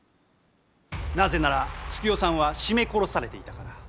なぜなら月代さんは絞め殺されていたから。